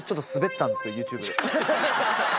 ＹｏｕＴｕｂｅで。